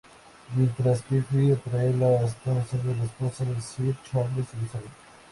Mientras, Effie atrae la atención de la esposa de Sir Charles, Elizabeth.